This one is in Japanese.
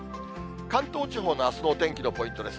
関東地方のあすのお天気のポイントです。